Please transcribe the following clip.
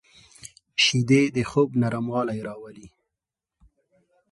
شیدې د خوب نرموالی راولي